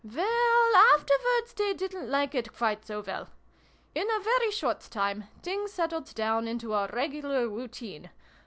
"Well, afterwards they didn't like it quite so well. In a very short time, things settled down into a regular routine.